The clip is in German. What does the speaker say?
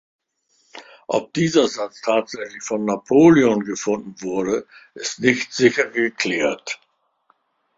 Ob dieser Satz tatsächlich von Napoleon gefunden wurde, ist nicht sicher geklärt.